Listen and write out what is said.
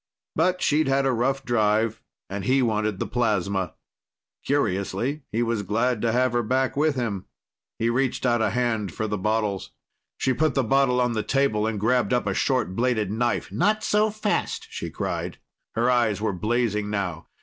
But she'd had a rough drive, and he wanted the plasma. Curiously, he was glad to have her back with him. He reached out a hand for the bottles. She put the bottle on the table and grabbed up a short bladed knife. "Not so fast," she cried. Her eyes were blazing now.